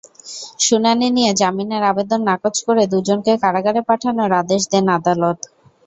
শুনানি নিয়ে জামিনের আবেদন নাকচ করে দুজনকে কারাগারে পাঠানোর আদেশ দেন আদালত।